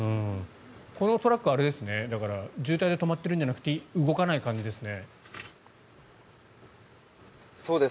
このトラックは渋滞で止まっているんじゃなくて動かない感じですね。